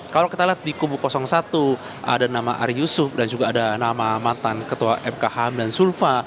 kalau kita lihat di kubu satu ada nama ari yusuf dan juga ada nama mantan ketua mkh hamdan zulfa